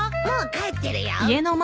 もう帰ってるよ。